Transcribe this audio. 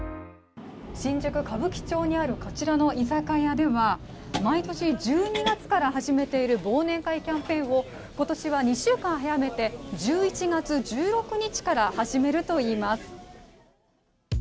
新宿・歌舞伎町にあるこちらの居酒屋では毎年、１２月から始めている忘年会キャンペーンを今年は２週間早めて１１月１６日から始めるといいます。